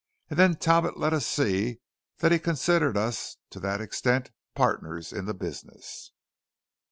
And then Talbot let us see that he considered us to that extent partners in the business.